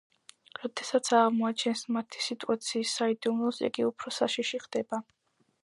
როდესაც აღმოაჩენს მათი მუტაციის საიდუმლოს, იგი უფრო საშიში ხდება.